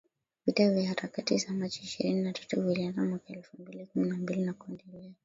Vita vya Harakati za Machi ishirini na tatu vilianza mwaka elfu mbili kumi na mbili na kuendelea.